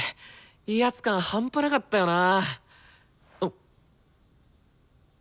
威圧感半端なかったよな。